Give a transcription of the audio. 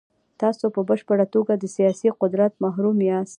تاسو په بشپړه توګه له سیاسي قدرت محروم یاست.